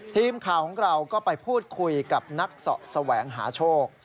ทีมข่าวของเราก็ไปพูดคุยกับนักเสาะแสวงหาโชค